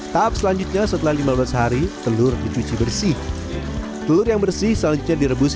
tahap selanjutnya setelah lima belas hari telur dicuci bersih telur yang bersih selanjutnya direbus